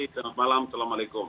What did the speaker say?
selamat malam assalamualaikum